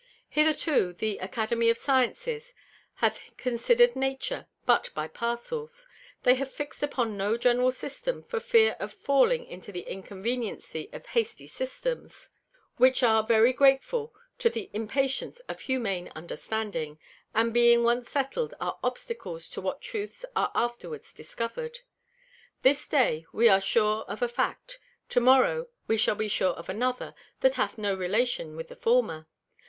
Hitherto the Academy of Sciences hath consider'd Nature but by parcels: They have fix'd upon no general System, for fear of falling into the inconveniency of hasty Systems, which are very grateful to the impatience of Humane Understanding; and being once settled, are Obstacles to what Truths are afterwards discover'd. This day we are sure of a Fact, to morrow we shall be sure of another that hath no relation with the former.